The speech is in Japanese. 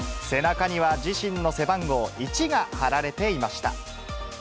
背中には自身の背番号、１が貼られていました。